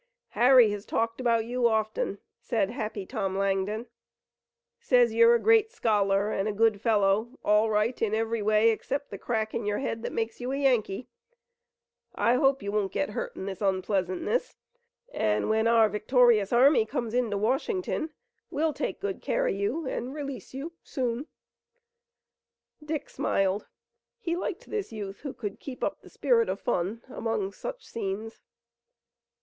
"Harry has talked about you often," said Happy Tom Langdon. "Says you're a great scholar, and a good fellow, all right every way, except the crack in your head that makes you a Yankee. I hope you won't get hurt in this unpleasantness, and when our victorious army comes into Washington we'll take good care of you and release you soon." Dick smiled. He liked this youth who could keep up the spirit of fun among such scenes.